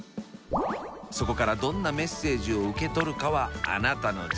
そこからどんなメッセージを受け取るかはあなたの自由。